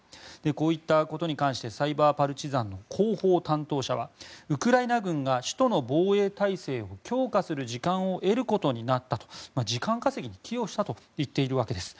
こういったことに関してサイバー・パルチザンの広報担当者はウクライナ軍が首都の防衛体制を強化する時間を得ることになったと時間稼ぎに寄与したといっているわけです。